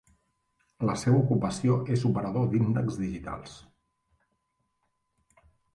La seva ocupació és operador d'índexs digitals.